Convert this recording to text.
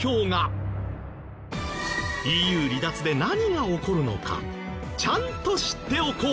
ＥＵ離脱で何が起こるのかちゃんと知っておこう。